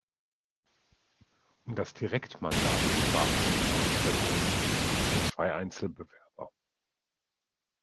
Um das Direktmandat bewarben sich neun Personen, davon zwei Einzelbewerber.